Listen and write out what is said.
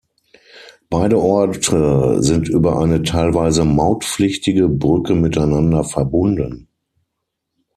Beide Orte sind über eine teilweise mautpflichtige Brücke miteinander verbunden.